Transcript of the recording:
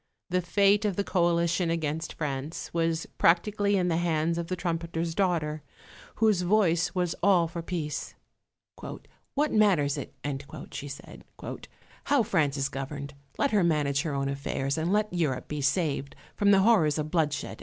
The fate of the coalition against France was practically in the hands of the trumpeter's daughter, whose voice was all for peace. "What matters it," she said, "how France is governed? Let her manage her own affairs, and let Europe be saved from the horrors of bloodshed."